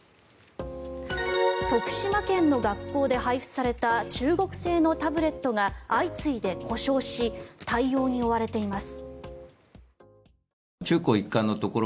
徳島県の学校で配布された中国製のタブレットが相次いで故障し対応に追われています。